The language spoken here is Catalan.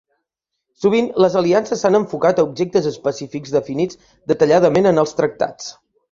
Sovint, les aliances s'han enfocat a objectes específics definits detalladament en els tractats.